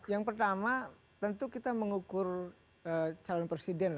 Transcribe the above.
yang pertama tentu kita mengukur calon presiden